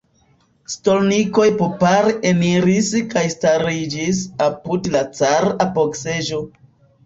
Stolnikoj popare eniris kaj stariĝis apud la cara apogseĝo.